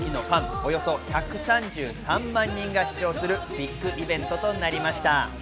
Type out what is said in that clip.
およそ１３３万人が視聴するビッグイベントとなりました。